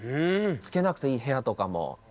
つけなくていい部屋とかも。